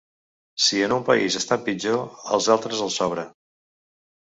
Si en un país estan pitjor, als altres els sobra.